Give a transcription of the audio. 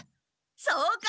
そうか。